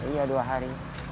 iya dua hari